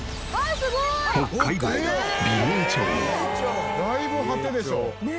だいぶ果てでしょ。